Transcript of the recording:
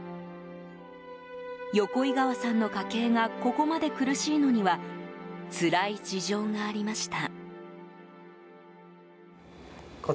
横井川さんの家計がここまで苦しいのにはつらい事情がありました。